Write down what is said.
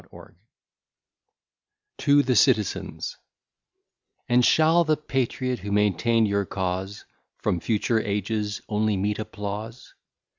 B._] TO THE CITIZENS And shall the Patriot who maintain'd your cause, From future ages only meet applause?